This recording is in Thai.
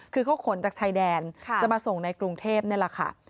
คือเขาขนจากชายแดนจะมาส่งในกรุงเทพนี่แหละค่ะ